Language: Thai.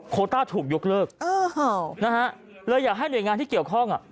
โคต้าถูกยกเลิกเลยอยากให้หน่วยงานที่เกี่ยวข้องอ่ะ